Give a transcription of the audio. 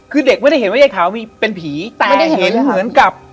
คือเด็กไม่ได้เห็นว่ายายขาวมีเป็นผีแต่เห็นเหมือนกับ